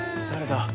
誰だ？